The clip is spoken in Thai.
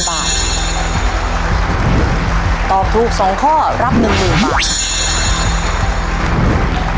ตอบถูก๒ข้อรับ๑๐๐๐บาท